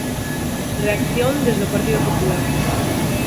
Reacción desde o Partido Popular.